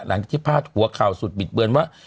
หลังจากที่พลาดหัวข่าวสุดบิดเบือนว่า